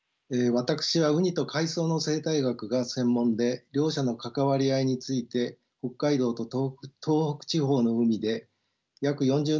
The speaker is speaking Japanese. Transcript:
私はウニと海藻の生態学が専門で両者の関わり合いについて北海道と東北地方の海で約４０年間潜水して研究を行ってきました。